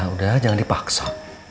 udah jangan dipaksa